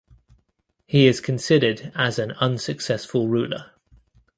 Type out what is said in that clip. He is considered as an unsuccessful ruler.